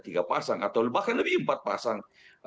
tiga pasang atau bahkan lebih empat pasang